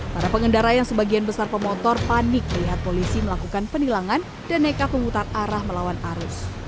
para pengendara yang sebagian besar pemotor panik melihat polisi melakukan penilangan dan nekat memutar arah melawan arus